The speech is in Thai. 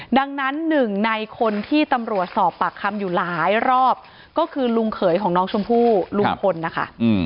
ดังนั้นหนึ่งในคนที่ตำรวจสอบปากคำอยู่หลายรอบก็คือลุงเขยของน้องชมพู่ลุงพลนะคะ